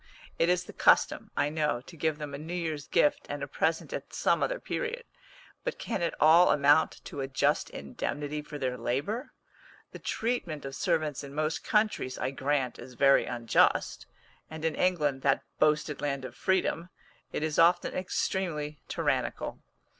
It is the custom, I know, to give them a new year's gift and a present at some other period, but can it all amount to a just indemnity for their labour? The treatment of servants in most countries, I grant, is very unjust, and in England, that boasted land of freedom, it is often extremely tyrannical.